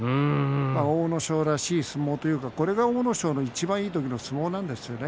阿武咲らしい相撲というかこれが阿武咲のいちばんいい時の相撲なんですよね。